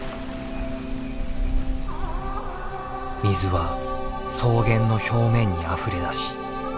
水は草原の表面にあふれ出し